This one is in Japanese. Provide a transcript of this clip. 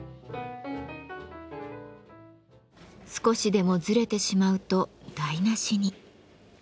少しでもずれてしまうと台なしに。